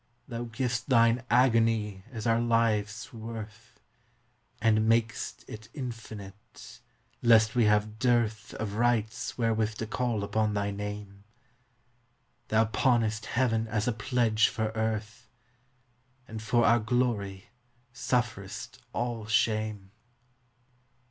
Thou giv'st Thine agony as our life's worth, And mak'st it infinite, lest we have dearthOf rights wherewith to call upon thy Name; Thou pawnest Heaven as a pledge for Earth, And for our glory sufferest all shame.